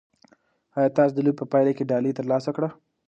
ایا تاسي د لوبې په پایله کې ډالۍ ترلاسه کړه؟